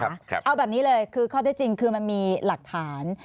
เอาแบบนี้เลยคือข้อได้จริงคือมันมีหลักฐาน